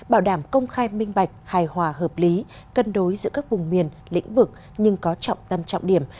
bảo đảm công khai minh bạch hài hòa hợp lý cân đối giữa các vùng miền lĩnh vực nhưng có trọng tâm trọng điểm